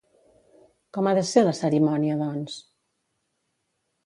Com ha de ser la cerimònia, doncs?